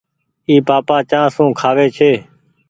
اي پآپآ چآنه سون کآوي ڇي۔